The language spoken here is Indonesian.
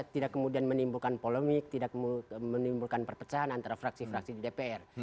tidak kemudian menimbulkan polemik tidak menimbulkan perpecahan antara fraksi fraksi di dpr